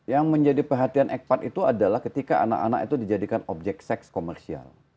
yang menjadi perhatian ekpat itu adalah ketika anak anak itu dijadikan objek seks komersial